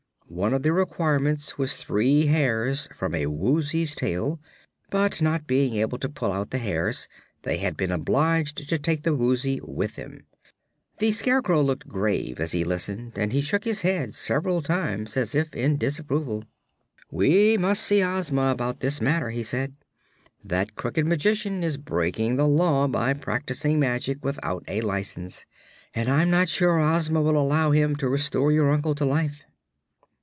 One of the requirements was three hairs from a Woozy's tail, but not being able to pull out the hairs they had been obliged to take the Woozy with them. The Scarecrow looked grave as he listened and he shook his head several times, as if in disapproval. "We must see Ozma about this matter," he said. "That Crooked Magician is breaking the Law by practicing magic without a license, and I'm not sure Ozma will allow him to restore your uncle to life."